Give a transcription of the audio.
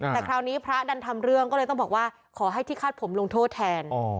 แต่คราวนี้พระดันทำเรื่องก็เลยต้องบอกว่าขอให้ที่คาดผมลงโทษแทน